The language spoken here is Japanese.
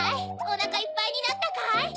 おなかいっぱいになったかい？